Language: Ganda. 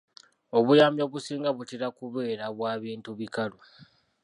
Obuyambi obusinga butera kubeera bwa bintu bikalu.